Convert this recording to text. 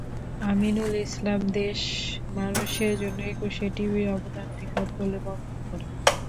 আমিনুল ইসলাম দেশ মানুষের জন্য একুশে টিভির অবদান বৃহৎ বলে বর্ণনা করেন।